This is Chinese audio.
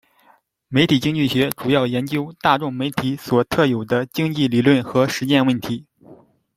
媒体经济学主要研究大众媒体所特有的经济理论和实践问题。